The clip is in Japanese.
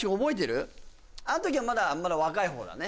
あん時はまだまだ若い方だね